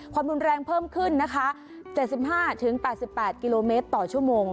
ความรุนแรงเพิ่มขึ้นนะคะ๗๕๘๘กิโลเมตรต่อชั่วโมง